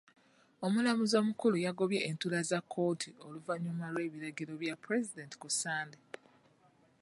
Omulamuzi omukulu yagobye entuula za kkooti oluvannyuma lw'ebiragiro bya pulezidenti ku Sunday